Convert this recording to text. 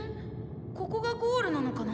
ここがゴールなのかな？